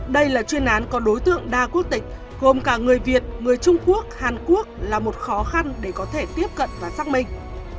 đây là chuyên án có đối tượng đa quốc tịch gồm cả người việt người trung quốc hàn quốc là một khó khăn để có thể tiếp cận và xác minh